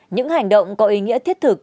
những hành động có ý nghĩa thiết thực